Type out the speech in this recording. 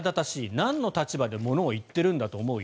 なんの立場でものを言ってるんだと思うよ。